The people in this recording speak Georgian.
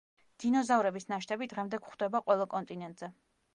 დინოზავრების ნაშთები დღემდე გვხვდება ყველა კონტინენტზე.